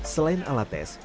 selain alat tes